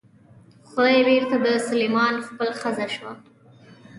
خدۍ بېرته د سلیمان خېل ښځه شوه.